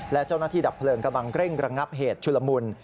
และเจ้าหน้าที่ดับเพลิงกำลังเร่งระงับเหตุชุลมุน